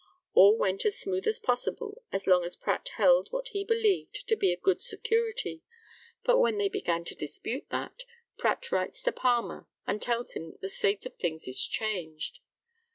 All went as smooth as possible as long as Pratt held what he believed to be a good security, but when they began to dispute that, Pratt writes to Palmer and tells him that the state of things is changed.